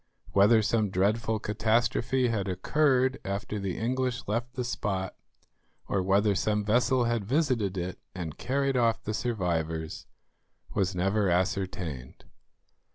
Whether some dreadful catastrophe had occurred after the English left the spot, or whether some vessel had visited it and carried off the survivors, was never ascertained.